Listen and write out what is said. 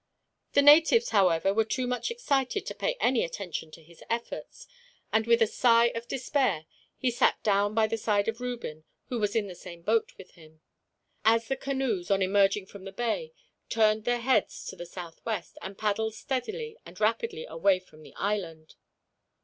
The natives, however, were too much excited to pay any attention to his efforts; and with a sigh of despair he sat down by the side of Reuben, who was in the same boat with him; as the canoes, on emerging from the bay, turned their heads to the southwest, and paddled steadily and rapidly away from the island.